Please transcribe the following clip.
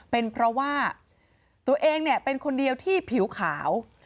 เป็นเพราะว่าตัวเองเนี่ยเป็นคนเดียวที่ผิวขาว